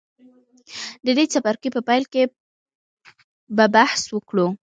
د دې څپرکي په پیل کې به بحث وکړو.